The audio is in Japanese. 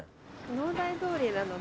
農大通りなので。